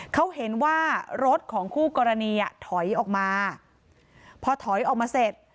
เขาเห็นว่ารถของคู่กรณีอ่ะถอยออกมาพอถอยออกมาเสร็จ